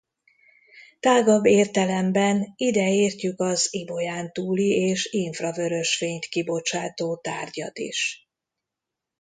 Tágabb értelemben ide értjük az ibolyántúli és infravörös fényt kibocsátó tárgyat is.